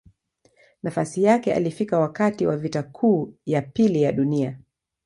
Nafasi yake alifika wakati wa Vita Kuu ya Pili ya Dunia.